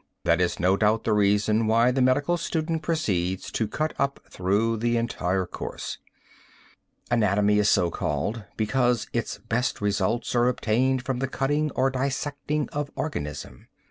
That is no doubt the reason why the medical student proceeds to cut up through the entire course. [Illustration: STUDYING ANATOMY.] Anatomy is so called because its best results are obtained from the cutting or dissecting of organism.